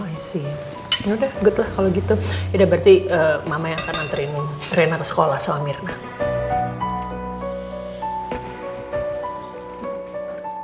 isi udah good lah kalau gitu udah berarti mama yang akan nantri ini renata sekolah sama mirna